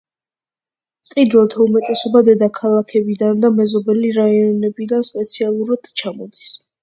მყიდველთა უმეტესობა დედაქალაქიდან და მეზობელი რაიონებიდან სპეციალურად ჩამოდის.